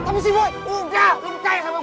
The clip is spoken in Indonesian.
kamu ini selalu aja bikin masalah